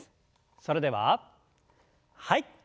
それでははい。